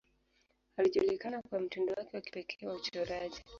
Alijulikana kwa mtindo wake wa kipekee wa uchoraji.